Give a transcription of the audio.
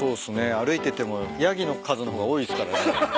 歩いててもヤギの数の方が多いっすから。